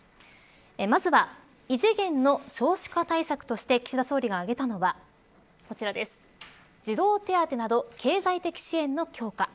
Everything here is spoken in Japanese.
まずは異次元の少子化対策として岸田総理が挙げたのは児童手当など経済的支援の強化。